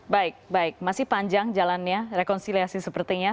baik baik masih panjang jalannya rekonsiliasi sepertinya